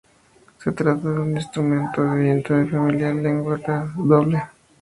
Se trata de un instrumento de viento, de la familia de lengüeta doble.